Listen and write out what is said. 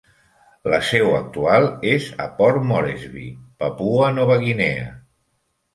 La seu actual és a Port Moresby (Papua Nova Guinea).